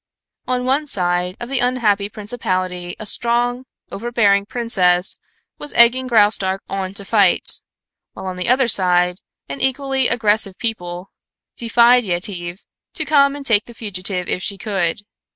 On one side of the unhappy principality a strong, overbearing princess was egging Graustark on to fight, while on the other side an equally aggressive people defied Yetive to come and take the fugitive if she could.